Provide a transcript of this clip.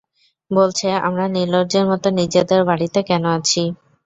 বলছে, আমরা নির্লজ্জের মতো নিজেদের বাড়িতে কেন আছি!